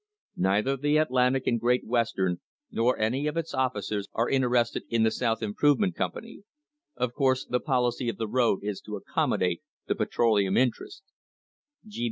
Neither the Atlantic and Great Western, nor any of its officers, are interested in the South Improvement Company. Of course the policy of the road is to accommodate the petroleum interest.